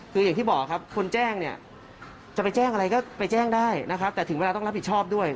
คืออย่างที่บอกครับคนแจ้งเนี่ยจะไปแจ้งอะไรก็ไปแจ้งได้นะครับแต่ถึงเวลาต้องรับผิดชอบด้วย